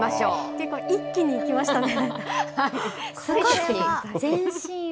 結構一気にいきましたね。